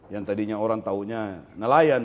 yang tadinya orang tahunya nelayan